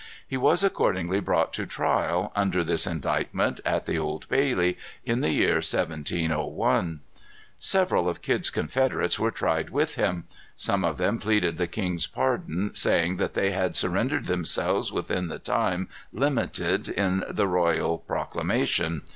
He was accordingly brought to trial, under this indictment, at the Old Bailey, in the year 1701. Several of Kidd's confederates were tried with him. Some of them pleaded the king's pardon, saying that they had surrendered themselves within the time limited in the royal proclamation.